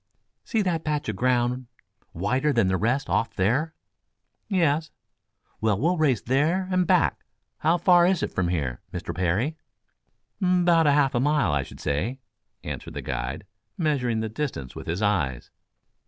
"See that patch of ground whiter than the rest off there?" "Yes." "Well, we'll race there and back. How far is it from here, Mr. Parry?" "'Bout half a mile, I should say," answered the guide, measuring the distance with his eyes.